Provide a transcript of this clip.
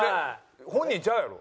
「本人ちゃうやろ？」